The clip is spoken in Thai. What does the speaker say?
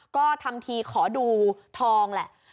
ก็ทำที่ขอดูทองแล้ว